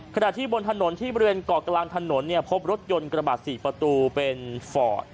ขณะที่บนถนนที่บริเวณเกาะกลางถนนเนี่ยพบรถยนต์กระบาด๔ประตูเป็นฟอร์ด